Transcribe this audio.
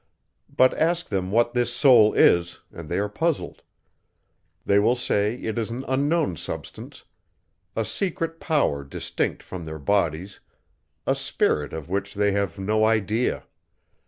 But ask them what this soul is, and they are puzzled. They will say, it is an unknown substance a secret power distinct from their bodies a spirit, of which they have no idea.